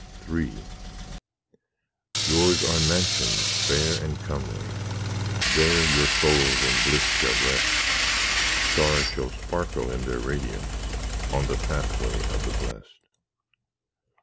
III Yours are mansions fair and comely— There your souls in bliss shall rest; Stars shall sparkle in their radiance, On the pathway of the blest.